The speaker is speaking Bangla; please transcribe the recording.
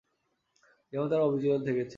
যেমন তারা অবিচল থেকেছেন।